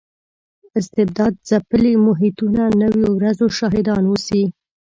استبداد ځپلي محیطونه نویو ورځو شاهدان اوسي.